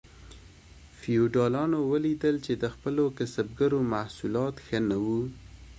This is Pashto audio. فیوډالانو ولیدل چې د خپلو کسبګرو محصولات ښه نه وو.